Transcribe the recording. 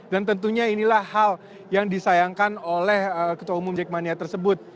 dan tentunya inilah hal yang disayangkan oleh ketua umum jackmania tersebut